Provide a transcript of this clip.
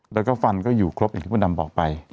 แล้วก็ฟันก็อยู่ครบอย่างที่พระดำบอกไป